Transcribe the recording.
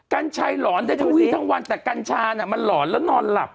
กัญชัยหลอนได้ทั้งวีทั้งวันแต่กัญชาน่ะมันหลอนแล้วนอนหลับ